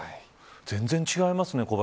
全然違いますね。